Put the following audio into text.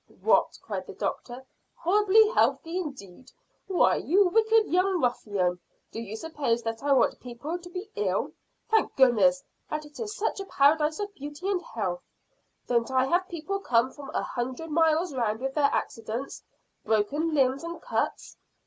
"What!" cried the doctor. "Horribly healthy, indeed! Why, you wicked young ruffian, do you suppose that I want people to be ill? Thank goodness that it is such a paradise of beauty and health. Don't I have people come from a hundred miles round with their accidents broken limbs and cuts?"